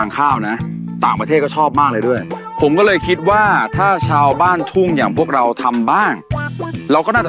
คุณปลอยอยากเรียนรู้การแปรรูปฟางข้าวจากไม้ตองเหรอครับ